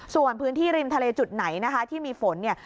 ส่วนพื้นที่ริมทะเลจุดไหนนะคะที่มีฝนเนี่ย